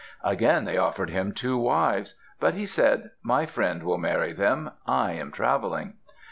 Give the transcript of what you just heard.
Again they offered him two wives. But he said, "My friend will marry them. I am traveling."